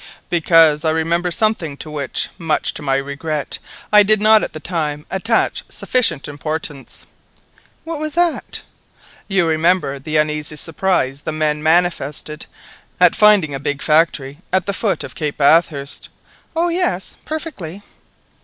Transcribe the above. "Because I remember something to which, much to my regret, I did not at the time attach sufficient importance." "What was that?" "You remember the uneasy surprise the men manifested at finding a big a factory at the foot of Cape Bathurst." "Oh yes, perfectly."